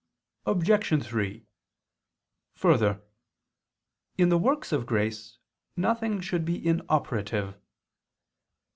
Obj. 3: Further, in the works of grace nothing should be inoperative.